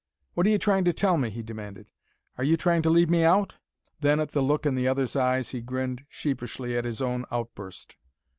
"What are you trying to tell me?" he demanded. "Are you trying to leave me out?" Then at the look in the other's eyes he grinned sheepishly at his own outburst.